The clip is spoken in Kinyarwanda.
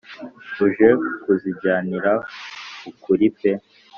uje kuzijyanira ukuri pe